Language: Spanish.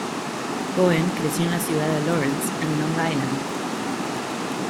Cohen creció en la ciudad de Lawrence en Long Island.